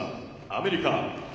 アメリカ。